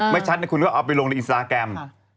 ไม่ชัดนะคุณก็เอาไปลงในอินสตาแกรม